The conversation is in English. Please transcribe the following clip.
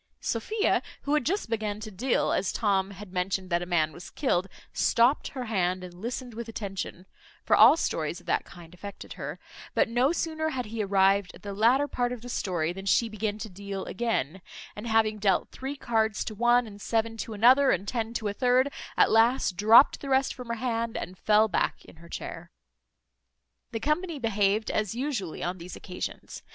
Sophia, who had just began to deal as Tom had mentioned that a man was killed, stopt her hand, and listened with attention (for all stories of that kind affected her), but no sooner had he arrived at the latter part of the story than she began to deal again; and having dealt three cards to one, and seven to another, and ten to a third, at last dropt the rest from her hand, and fell back in her chair. The company behaved as usually on these occasions.